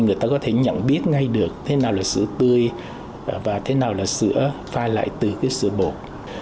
người ta có thể nhận biết ngay được thế nào là sữa tươi và thế nào là sữa pha lại từ cái sữa bột